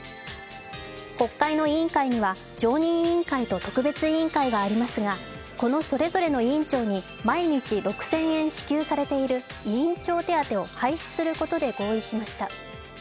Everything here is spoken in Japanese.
国会の委員会には常任委員会と特別委員会がありますが、このそれぞれの委員長に毎日６０００円支給されている委員長手当を廃止することで合意しました。